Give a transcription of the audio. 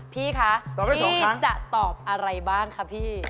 พี่คะจะตอบอะไรบ้างคะพี่